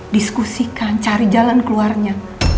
diskusikan cari jalan keluarnya